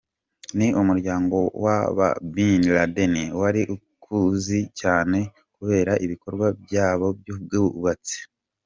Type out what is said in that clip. Ni umuryango w’aba Bin Laden wari ukuzi cyane kubera ibikorwa byabo by’ubwubatsi.